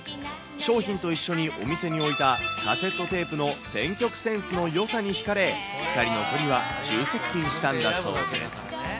商品と一緒にお店に置いたカセットテープの選曲センスのよさに引かれ、２人の距離は急接近したんだそうです。